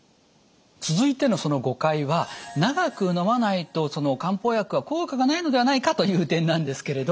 続いての誤解は長くのまないと漢方薬は効果がないのではないかという点なんですけれど。